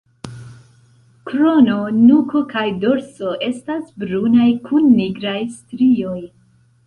Krono, nuko kaj dorso estas brunaj kun nigraj strioj.